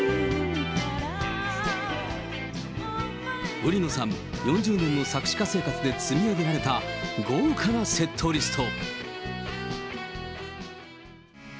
売野さん、４０年の作詞家生活で積み上げられた豪華なセットリスト。